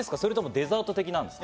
デザート的ですか？